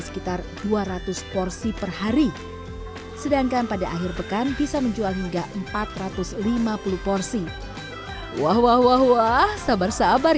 sekitar dua ratus porsi per hari sedangkan pada akhir bekan bisa menjual hingga empat ratus lima puluh porsi wah sabar sabar